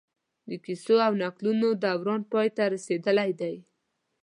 د کيسو او نکلونو دوران پای ته رسېدلی دی